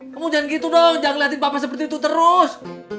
kamu jangan gitu dong jangan liatin papa seperti itu terus